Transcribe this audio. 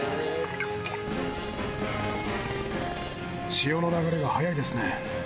潮の流れが速いですね。